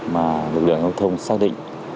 mà lực lượng giao thông xác định